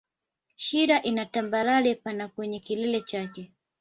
Shira ina tambarare pana kwenye kilele chake